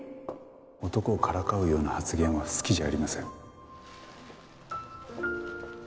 男をからかうような発言は好きじゃありません。